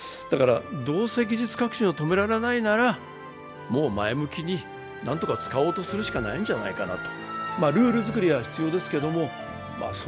どうせ技術革新を止められないならもう前向きに何とか使おうとするしかないんじゃないかなと。